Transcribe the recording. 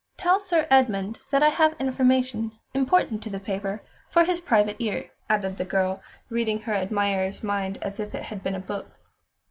"Tell Sir Edmund that I have information, important to the paper, for his private ear," added the girl, reading her admirer's mind as if it had been a book.